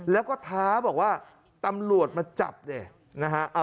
แล้วก็ท้าบอกว่าตำรวจมาจับดินะฮะ